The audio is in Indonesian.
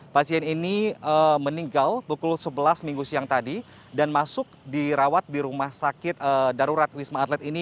pasien ini meninggal pukul sebelas minggu siang tadi dan masuk dirawat di rumah sakit darurat wisma atlet ini